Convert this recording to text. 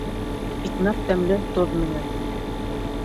Икмәк тәмле тоҙ менән